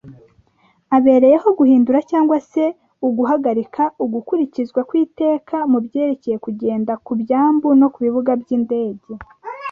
abareyeho guhindura cg se uguhagarika ugukurikizwa kwiriteka mubyerekeye kugenda kubyambu no kubibuga by’ indege